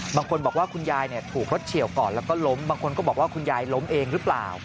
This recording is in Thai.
บางคนบอกว่าคุณยายถูกรถเฉียวก่อนแล้วก็ล้มบางคนก็บอกว่าคุณยายล้มเองหรือเปล่า